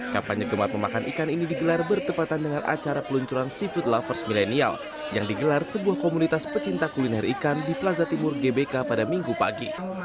kampanye gemar memakan ikan ini digelar bertepatan dengan acara peluncuran seafood lovers milenial yang digelar sebuah komunitas pecinta kuliner ikan di plaza timur gbk pada minggu pagi